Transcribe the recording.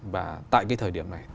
và tại cái thời điểm này